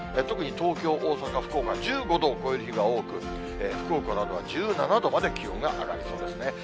特に東京、大阪、福岡１５度を超える日が多く、福岡などは１７度まで気温が上がりそうですね。